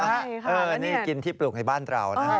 ใช่ค่ะแล้วเนี่ยนี่กินที่ปลูกในบ้านเรานะ